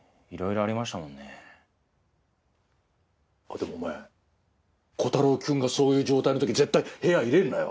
でもお前コタローきゅんがそういう状態の時絶対部屋入れるなよ。